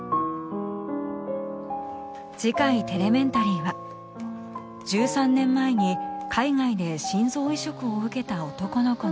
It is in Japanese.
次回『テレメンタリー』は１３年前に海外で心臓移植を受けた男の子の今。